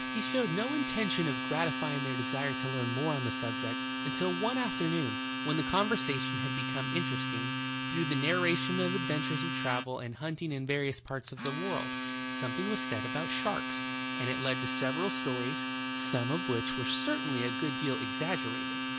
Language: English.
'' He showed no intention of gratifying their desire to learn more on the subject, until one aft ernoon, when the conversation had become inter esting, through the narration of adventures of travel and hunting in variotis parts of the world, something was said about sharks, and it led to several stories, some of which were certainly a good deal exaggerated.